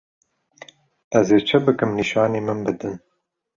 Ez ê çi bikim nîşanî min bidin.